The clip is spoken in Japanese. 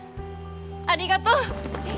ありがとう！